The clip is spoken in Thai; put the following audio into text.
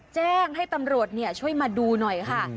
แจ้งให้ตำรวจช่วยมาดูหน่อยค่ะ